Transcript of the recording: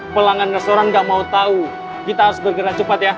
pelanggan restoran nggak mau tahu kita harus bergerak cepat ya